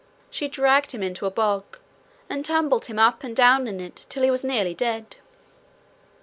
She dragged him into a bog, and tumbled him up and down in it till he was nearly dead.